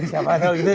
siapa tahu gitu